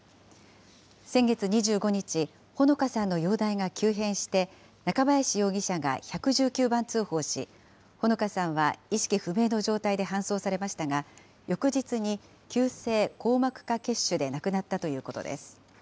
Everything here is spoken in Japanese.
先月２５日、ほのかさんの容体が急変して、中林容疑者が１１９番通報し、ほのかさんは意識不明の状態で搬送されましたが、翌日に急性硬膜下血腫で亡くなったということです。